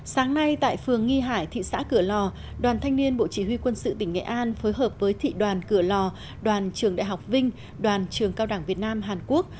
sáng nay tại phường nghi hải thị xã cửa lò đoàn thanh niên bộ chỉ huy quân sự tỉnh nghệ an phối hợp với thị đoàn cửa lò đoàn trường đại học vinh đoàn trường cao đẳng việt nam hàn quốc